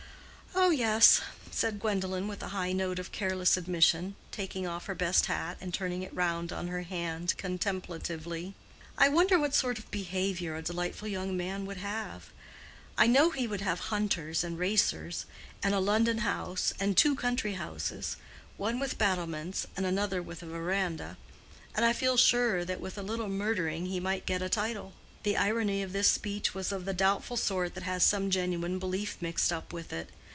"Oh, yes," said Gwendolen, with a high note of careless admission, taking off her best hat and turning it round on her hand contemplatively. "I wonder what sort of behavior a delightful young man would have? I know he would have hunters and racers, and a London house and two country houses—one with battlements and another with a veranda. And I feel sure that with a little murdering he might get a title." The irony of this speech was of the doubtful sort that has some genuine belief mixed up with it.